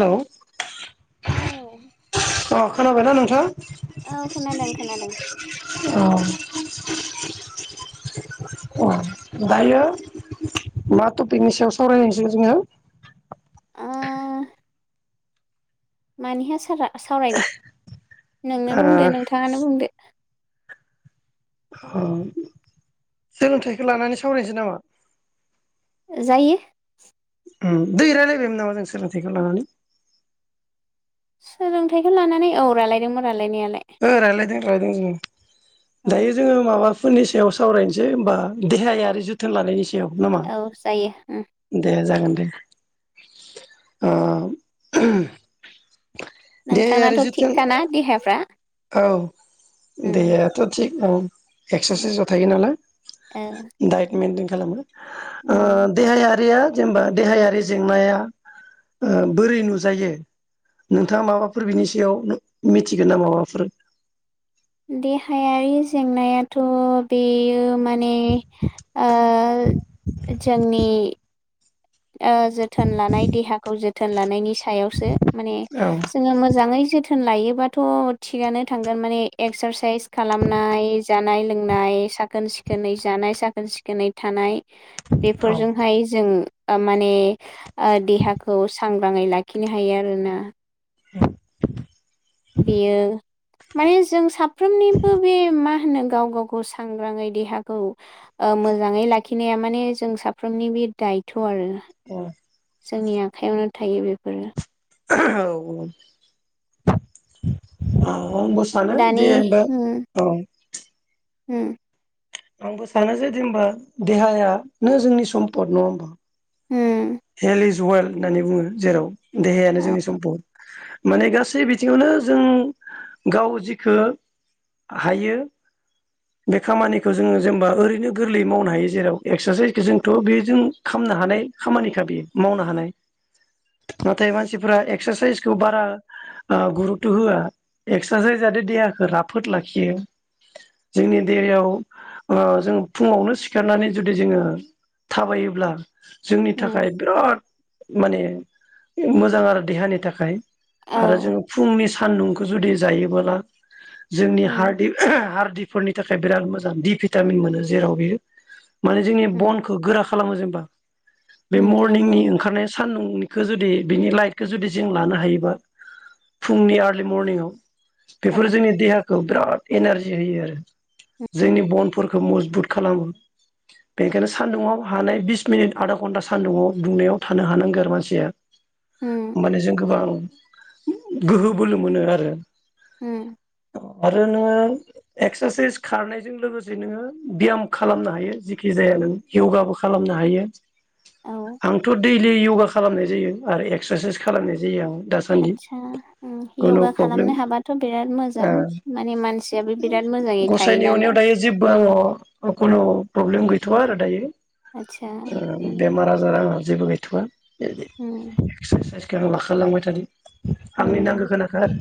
Hello औ [unintelligible] खोनाबायना नोंथां? औ खोनादों खोनादों [unintelligible] अ [unintelligible] दायो मा टपिकनि सायाव सावरायनोसै जोङो? ओ मानि हासारा सावरायनो नोंनो बुंदो नोंथाङानो बुंदो। अ सोलोंथाइखो लानानै सावरायनोसै नामा? जायो ओम दोहै रायलायबायमोन नामा जों सोलोंथाइखौ लानानै? सोलोंथाइखौ लानानै औ रालायदोंमोन रालायनाया ओ रायलायदों रायदों जों औ दायो जोङो माबा फोरनि सायाव सावरायनोसै होमबा देहायारि आरो जोथोन लानायनि याव नामा औ जायो उम दे जागोन। दे ओ [inaudible] देहायारि नोंथांनाथ' जोथोन थिगखाना देहाफ्रा? औ उम देहायाथ' थिग। औ उम एक्सारसाइसआव थायो नालाय औ डाइट मेनथेन्ट खालामो। ओ उम देहायारिया जेनेबा देहायारि जेंनाया ओ बोरै नुजायो नोंथाङा माबाफोर बिनि सायाव मिथिगोन ना माबा फोर देहायारि जेंनायाथ' बेयो माने ओ जोंनि ओ जोथोन लानाय देहाखौ जोथोन लानायनि सायावसो माने औ जोङो मोजाङै जोथ थोन लायोबाथ' थिगानो थांगोन माने एक्सारसाइस खालामनाय जानाय लोंनाय साखोन सिखोनै जानाय साखोन सिखोनै थानाय। औ बेफोरजोंहाय जों ओ माने ओ देहाखौ सांग्राङै लाखिनो हायो आरोना बेयो माने जों साफ्रोमनिबो बे मा होनो गाव गावखौ सांग्राङै देहाखौ ओ मोजाङै लाखिनाया माने जों साफ्रोमनि बे दायथ' आरो [unintelligible] जोंनि आखाइयावनो थायो बेफोरो। [unintelligible] औ अ आंबो सानो दानि उम [unintelligible] औ उम आंबो सानो जे दिनबा देहायानो जोंनि सम्पद नङा होमबा? हम हेल इज वेल होननानै बुङो जेराव देहायानो औ जोंनि सम्पद। माने गासै बिथिङावनो जों, गाव जिखौ हायो बे खामानिखौ जोङो जेनेबा ओरैनो गोरलैयै मावनो हायो जेराव एक्सारसाइसखौ जोंथ' बे जों खालामनो हानाय खामानि खा बियो मावनो हानाय नाथाय मानसिफोरा एक्सारसाइसखौ बारा आ गुरुथ' होआ, एक्सारसाइस जाथे देहाखौ राफोद लाखियो। जोंनि देहायाव जों फुङावनो सिखारनानै जुदि जोङो थाबायोब्ला जोंनि थाख उम बिराद माने मोजां आरो देहानि थाखाय। आरो औ जोङो फुंनि सान्दुंखौ जुदि जायोबोला। जोंनि उम हारदिब हारदि फोरनि थाखाय बिराद मोजां दि भिटामिन मोनो जेराव बियो माने जोंनि उम बनखौ गोरा खालामो जेनेबा। बे उम नंगौ मरनिंनि ओंखारनाय। सान्दुंखौ जुदि बिनि लाइटखौ जुदि जों लानो हायोबा। फुंनि आरलि मरनिंआव बेफोरो औ जोंनि देहाखौ बिराद एनारजि होयो आरो उम जोंनि बनफोरखौ मजबुत खालामो, बेनिखायनो सान्दुंङाव हानाय बिस मिनिट आदा घन्टासो। सान्दुंआव दुंनायाव थानो हानांगौ आरो मानसिया। उम माने जों गोबां। गोहो बोलो मोनो आरो। उम आरो नोंङो। एक्स्रासाइस खारनायजों लोगोसे नोङो ब्याम खालामनो हायो जिखि जाया नों यगाबो खालामनो हायो। औ आंथ दैलि यगा खालामनाय जायो, आरो एक्स्रासाइस खालामनाय जायो आंङो। आतसा, यगा प्रब्लेम खालामनो हाबाथ बिराद मोजां ओ माने मानसियाबो बिराद मोजाङै थायो गसाइनि अननायाव नालाय। दायो जेबो आंनाव खुनु प्रब्लेम गैथवा आरो दायो। आतसा ओ ओं। बेमार आजारा। जेबो गैथआ। जेरै उम एक्स्रासाइस। जोथोन लाखालांबाय थानि। आंनि नांगौ उम खिनिखौ आरो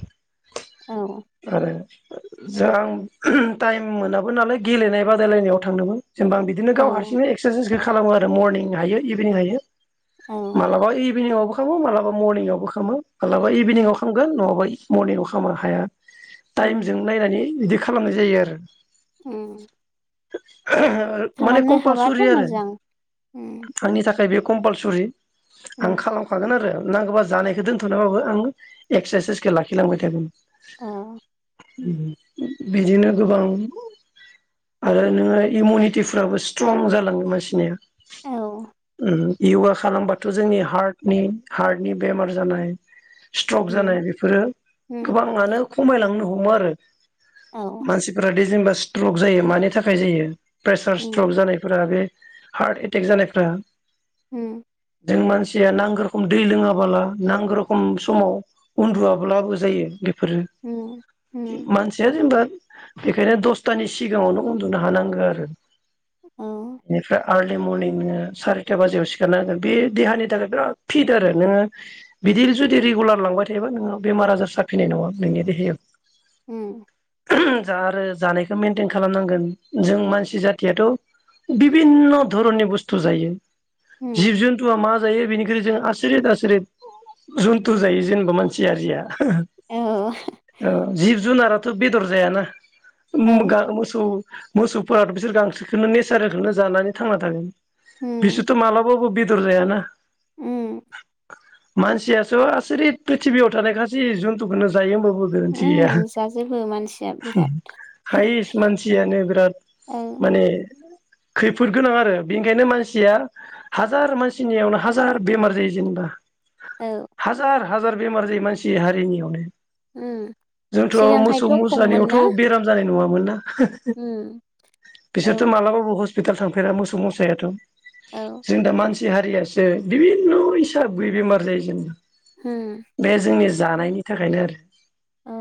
औ आरो। जों टाइम मोनाबो नालाय गेलेनाय बादायलायनायाव थांनोमोन। जेनबा आं बिदिनो औ गाव हारसिंनो एक्सरासाइज बिदि खालामो आरो मरनिं हायो इभिनिं हायो। औ मालाबा इबिनिंआवबो। खामो मालाबा मरनिंआवबो खामो। मालाबा उम इबिनिंआव खालामगोन नआबा इ मरनिंआव खामा हाया। उम टाइमजों नायनानै बिदि खालामनाय जायो आरो उम [inaudible] माने खालामनो हाबाथ' कमपालसरि आरो। मोजां उम आंनि थाख थाखाय बेयो कमपालसरि। उम आं खालामखागोन आरो नांगौबा जानायखौ दोनथनानैबाबो आं एक्सासाइसखौ लाखिलांबाय थागोन। अ उम बिदिनो गोबां आरो नोङो इमुनिटिफ्राबो स्ट्रं जालाङो मानसिनिया। औ नो यगा खालामबाथ' जोंनि हार्टनि हार्टनि बेमार जानाय स्ट्रक उम जानाय बेफोरो उम गोबाङानो खमायलांनो हम हमो आरो औ मानसिफोरादि जेनेबा स्ट्रक जायो मानि थाखाय जायो? प्रेसार उम स्ट्रक जानायफोरा बे [inaudible] हार्ट एटेक जानायफ्रा उम जों मानसिया नांगौ रोखोम दै लोङाबोला नांगौ रोखोम समाव उन्दुआब्लाबो जायो। बेफोरो उम उम मानसिया जेनबा बेखायनो दसतानि सिगाङावनो उन्दुनो हानांगो आरो औ आरलि मरनिं नोङो सारिथा बाजियाव सिखारना होगोन बे देहानि थाखाय बिराद फिट आरो नोङो बिदि जुदि रेगुलार लांबाय थायोबा नोङो बेमार आजार साफैनाय नङा नोंनि देहायाव। उम जा आरो जानायखौ मेेनटेन खालामनांगोन जों मानसि जाथियाथ बिब बिभिन्न धरननि बुस्थु जायो। जिब जन्टुआ मा जायो बेनिख्रुइ जों आसुरिथ आसुरिथ जन्थु जायो जेनेबा मानसि हारिया। औ ओ जिब जुनारा थ' बेदर जायाना म औ गा मोसौ मोसौफोराथ बिसोर गांसोखौनो नेचारेलखोनो जानानै थांना थागोन। उम बिसोथ मालाबाबो बे दर जायाना उम मानसियाथ आसुरिथ प्रिथिबियाव थानाय गासै जुन्थुखौनो जायो होमबाबो बो गोरोन्थि उम गैया जाजोबो मानसिया बिराद हायस्ट मानसियानो बिराद औ माने खैफोद गोनां आरो बेनिखायनो मानसिया हाजार मानसिनियावनो हाजार बेमार जायो जेनेबा औ हाजार हाजार बेमार जायो मानसि हारिनियावनो। उम जोंथ मोसौ सिगांहायथ' खममोन मोसानियावथ ना बेराम जानाय नुवा। मोनना [unintelligible] उम बिसोरथ औ मालाबाबो हस्त हस्पिटाल थांफेरा मोसौ मोसायाथ औ जों दा मानसि हारियासो बिभिन्न हिसाबै गैयै बेमार जायो उम जेनेबा बे जोंनि जानायनि थाखायनो आरो औ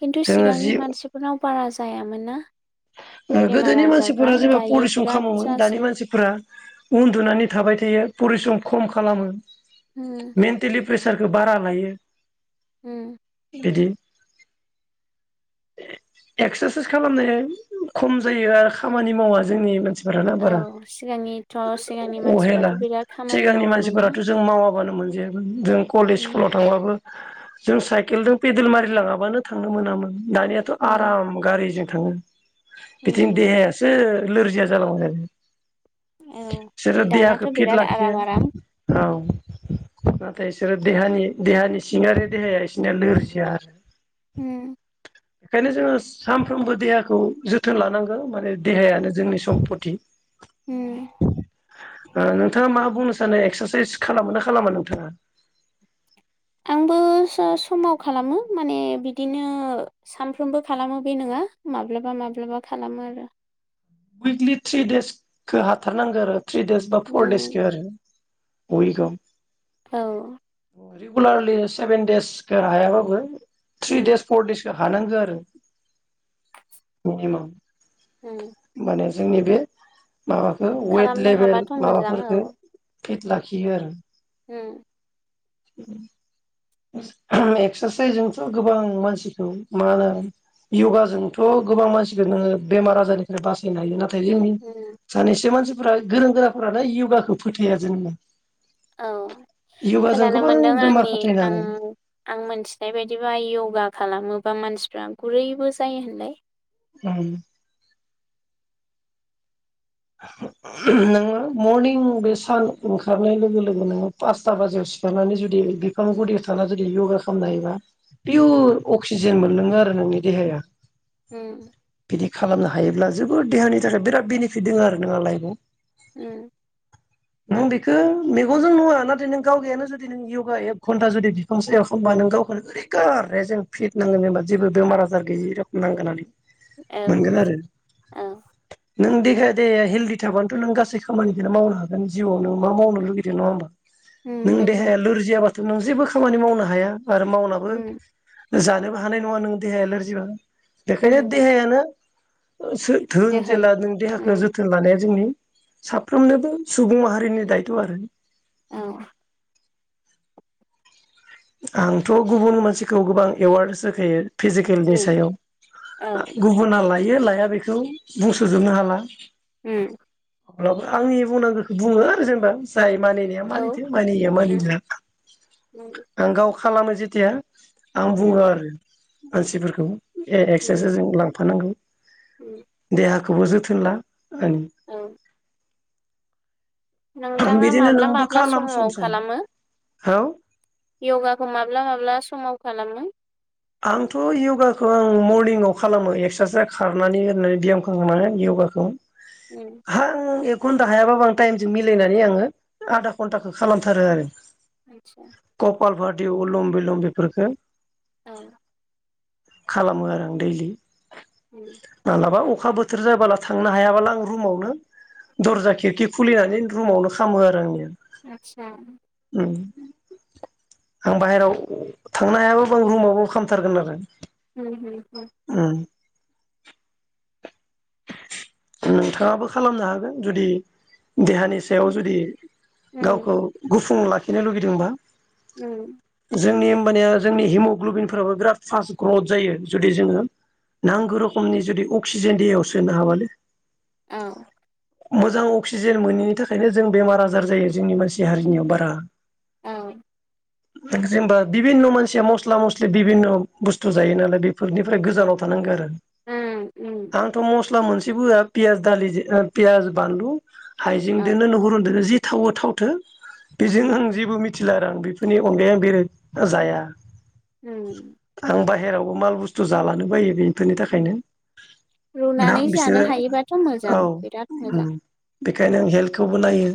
खिन्थु जोङो सिगांनि जि मानसिफोरनाव बारा जायामोन ना? बेमार गोदोनि आजारफ्रा मानसिफोरा जेब्ला दायो परिस्रम बिराद खालामोमोन दानि जासै मानसिफोरा उन्दुनानै थाबाय थायो परिस्रम खम खालामो। उम मेन्टेलि प्रेसारखौ बारा लायो। हुम। बिदि एक्सारसाइस खालामनाय खम जायो आरो खामानि मावा जोंनि मोनसे औ सिगांनिथ सिगांनि अहेला मानसिफ्राथ बिराद खामानि सिगांनि मावोमोन ना मानसिफोराथ' जों मावाबानो मोनजायामोन जों कलेज उम स्कुलाव थांबाबो जों साइकेलजों पेदेल मारिलाङाबानो थांनो मोनामोन। दानियाथ उम आराम गारिजों थाङो। बिदिनो उम देहायासो लोरजिया जालांबाय थागोन। औ बिसोरो देहाखौ दानाथ' फिट बिराद लाखिया, आराम आराम औ। नाथाय इसोरो देहानि देहानि सिङारि देहाया इसोनिया लोरजिया आरो। होम खायनो जोङो सानफ्रोमबो देहाखौ जोथोन लानांगो माने देहायानो जोंनि सम्पति उम ओ नोंथाङा मा बुंनो सानो एक्सारसाइस खालामोना खालामा नोंथाङा? आंबो स-समाव खालामो माने बिदिनो सानफ्रोमबो खालामो बे नोङा माब्लाबा माब्लाबा खालामो आरो। उइकलि थ्रि डेसखो हाथारनांगो आरो। थ्रि डेस बा फ'र डेस उम खे आरो। उइकआव। औ। रिगुलारलि सेभेन डेसखे हायाबाबो थ्रि उम डेस फ'र डेस हानांगो आरो मिनिमाम। हुम होमबानो जोंनि बे माबाखौ वेट खालामनो लेभेल हाबाथ' मोजां औ माबाफोरखो फिट लाखियो आरो। उम [unintelligible] एक्सारसाइसजोंथ' गोबां मानसिखौ मा होनो य'गाजोंथ' गोबां मानसिखौ नोङो बेमार आजारनिफ्राय बासायनो हायो ना थाय जोंनि उम सानैसो मानसि फोरा गोरोंगोराफोरानो य'गाखौ फोथाया जोंना। औ खोनानो मोनदों बेमार आंनि फोथायनो आं आं मोनथिनाय बायदिबा य'गा खालाम मोबा मानसिफ्रा गुरैबो जायो होनलाय? उम [unintelligible] नोङो मरनिं बे सान ओंखारनाय लोगो लोगो नोङो पासता बाजियाव सिखारनानै जुदि बिफां गुदियाव थानानै जुदि य'गा खामनो हायोबा उम पिउर अक्सिजेन मोन लोङो आरो नोंनि देहाया। उम बिदि खालामनो हा हायोब्ला जोबोर देहानि थाखाय बिराद बेनिफ फिट दों आरो नोंङा लायबआव। उम नों बेखो मेगनजों नुवा नाथाय नों गावगायानो जुदि नों य'गा एक घन्टा जुदि बिफां सायाव खामबा नों गावखौनो ओरै कार रेजें फिट नांगोन एबा जेबो बेमार आजार गैयि रखम नांगोन आरो। औ मोनगोन आरो औ नों दे हे दे हेल्दि थाबानोथ' नों गासै खामानिखोनो मावनो हागो गोन जिउआव नों मा मावनो लुगैदो नङा होमबा? उम नों नंगौ देहाया लोरजियाबा तु नों जेबो खामानि मावनो हाया। आरो मावनाबो उम जानोबो हानाय नङा नों देहाया लोरजिबा। उम बेखायनो देहायानो सो धोन दोहोन जेला नों उम देहाखौ जोथोन लानाया जोंनि साफ्रोमनोबो सुबुं माहारिनि दायथ' आरो। औ। आंथ' गुबुन मानसिखौ गोबां एवार्डस होखायो। फिजिकेलनि उम सायाव औ ओ गुबुनालाय लायो लाया बेखौ बुंस'जोबनो हाला। उम। अब्लाबो आंनि बुंनांगोखो बुङो आरो जेनेबा जाय मानिनाया औ मानिथो मानिया उम मानिनाया उम आं गाव खालामो जेथिया आं उम बुङो आरो। मानसिफोरखौ ए उम एक्सारसारजिं लांफानांगौ उम देहा खौबो जोथोन ला आरो औ। नोंथाङा बिदिनो माब्ला माब्ला समाव खालामो? हेलौ। यगाखौ माब्ला माब्ला समाव खालामो? आंथ' यगाखौ आं मरनिंआव खालामो एक्सारसाइस खारनानै ओरैनानै बियाम खालामनानै यगाखौ। उम हां एक घन्टा हायाबाबो आं टाइमजों मिलायनानै आङो आधा घन्टाखौ खालामथारो आरो। आतसा गपाल भाथ दे उलम बिलम बेफोरखो औ खालामो आरो आं दैलि। उम मालाबा अ अखा बोथोर जाबोला थांनो हायाबोला आं रुमावनो दरजा खिरखि खुलिनानै रुमावनो खामो आरो आंनिया। आतसा। उम आं बाहेरायाव थांनो हायाबाबो रुमाव औ खालामथारगोन आरो। ओम ओम। उम। नोंथाङाबो खालामनो हागोन जुदि देहानि सायाव उम जुदि उम गावखौ गुफुं लाखि खिनो लुगैदोंबा औ। जोंनि होमबानिया जोंनि हिम'ग्ल'बिनफोराबो बिराद फास्ट ग्रथ जायो जुदि जोङो नांगो रोखोमनि जुदि अक्सिजेन देहायाव सो सोनो हाबालै औ। मोजां अक्सिजेन मोनोनि थाखायनो जों बेमार आजार जायो जोंनि मानसि हारिनियाव बारा औ। जेनेबा बिभिन्न' मानसिया मस्ला मस्लि बिभिन्न' बुस्थु जायो नालाय बेफोरनिफ्राय गोजानाव थानांगो आरो। उम ओम। आंथ' मस्ला मोनसेबो होआ पियास दालि जे ओ पियास, बानलु, औ हाइजेंदोनो नुहुरुनदोनो जि थावो थावथो बेजों आं उम जेबो मिथ थिला आरो आं बेफोरनि अनगायायै आं बेरेग जाया। उम। हेरावबो माल बुस्थु जालानो बायो बेनि बेनि उम थाखायनो। ना रुनानै जानो बिसोरो हायोबाथ' औ मोजां बिराद उम मोजां। बेखायनो हेल्थखौबो नायो।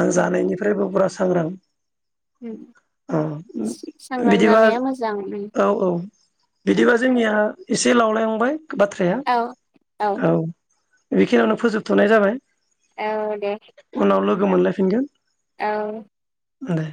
आं औ जानायनिफ्रायबो ब्रास सांग्रां। उम अ सांग्रां बिदिबा जानाया मोजां उम औ औ औ बिदिबा जोंनिया एसे लावलायलांबाय बाथ्राया। औ औ बेखिनियावनो फोजोबथ'नाय जाबाय। औ दे उनाव लोगो मोनलायफिनगोन होनबा औ। दे।